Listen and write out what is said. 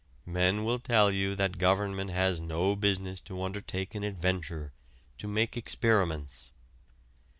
Men will tell you that government has no business to undertake an adventure, to make experiments.